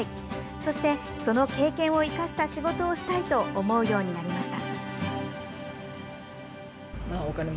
そしてその経験を生かした仕事をしたいと思うようになりました。